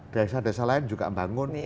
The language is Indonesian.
desa desa lain juga bangun